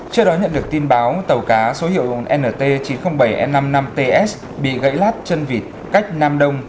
trước đó nhận được tin báo tàu cá số hiệu nt chín mươi nghìn bảy trăm năm mươi năm ts bị gãy lát chân vịt cách nam đông